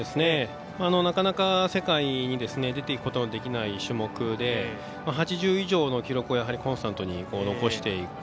なかなか世界に出ていくことができない種目で８０以上の記録をコンスタントに残していく。